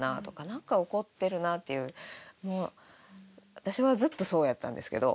私はずっとそうやったんですけど。